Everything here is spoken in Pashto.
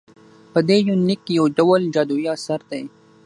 په دې يونليک کې يوډول جادويي اثر دى